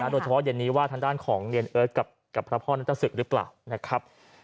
โดยเฉพาะเย็นนี้ว่าทางด้านของเรียนเอิร์ทกับพระพ่อนัตรศึกหรือเปล่านะครับ